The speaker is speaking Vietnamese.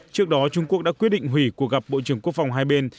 trước đó trung quốc đã quyết định hủy cuộc gặp bộ trưởng quốc phòng hai bên